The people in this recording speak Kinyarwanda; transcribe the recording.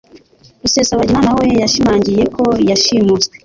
Rusesabagina na we yashimangiye ko yashimuswe